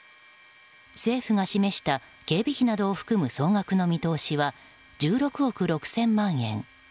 政府が示した警備費などを含む総額の見通しは１６億６０００万円。